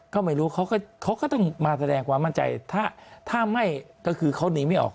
ก็ไม่รู้เขาก็ต้องมาแสดงความมั่นใจถ้าไม่ก็คือเขาหนีไม่ออก